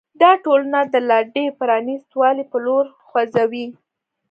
دا ټولنه د لا ډېر پرانیست والي په لور خوځوي.